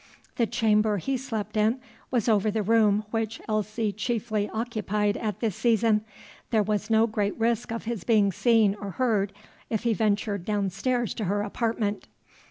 The chamber he slept in was over the room which Elsie chiefly occupied at this season. There was no great risk of his being seen or heard, if he ventured down stairs to her apartment.